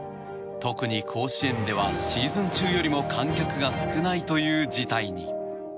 特に甲子園ではシーズン中よりも観客が少ないという事態に。